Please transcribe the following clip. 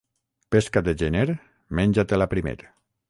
Pesca de gener, menja-te-la primer.